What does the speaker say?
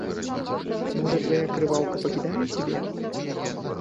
Можа твая крываўка пакідае цябе?